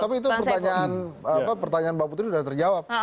tapi itu pertanyaan mbak putri sudah terjawab